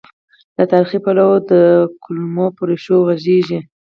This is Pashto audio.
له تاریخي، پلوه د کلمو پر ریښو غږېږي.